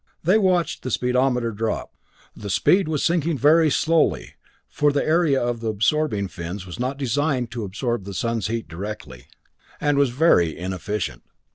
They watched the speedometer drop. The speed was sinking very slowly, for the area of the absorbing fins was not designed to absorb the sun's heat directly, and was very inefficient.